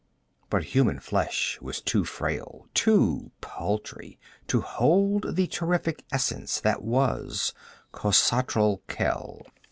But human flesh was too frail, too paltry to hold the terrific essence that was Khosatral Khel.